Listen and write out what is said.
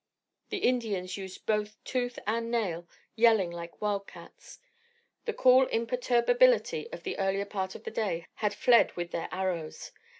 The Indians used both tooth and nail, yelling like wildcats. The cool imperturbability of the earlier part of the day had fled with their arrows.